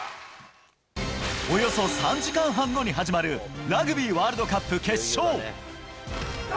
およそ３時間半後に始まる、ラグビーワールドカップ決勝。